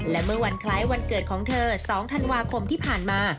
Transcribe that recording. และเมื่อวันคล้ายวันเกิดของเธอ๒ธันวาคมที่ผ่านมา